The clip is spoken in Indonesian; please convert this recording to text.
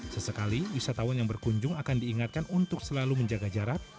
sesekali wisatawan yang berkunjung akan diingatkan untuk selalu menjaga jarak